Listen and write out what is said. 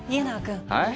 はい？